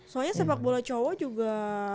soalnya sepak bola cowok juga